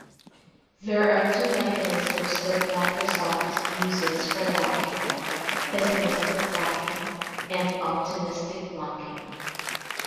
There are two mechanisms that Microsoft uses for locking: "pessimistic locking", and "optimistic locking".